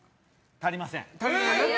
足りません。